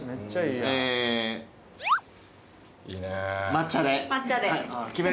抹茶で。